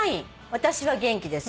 「私は元気です」